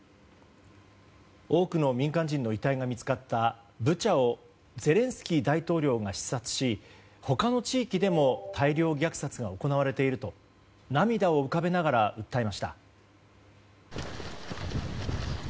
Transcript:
多くの民間人の遺体が見つかったブチャをゼレンスキー大統領が視察し他の地域でも大量虐殺が行われていると涙を浮かべながら訴えました。